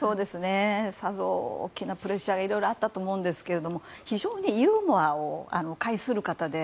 さぞ大きなプレッシャーがいろいろあったと思いますが非常にユーモアを介する方で。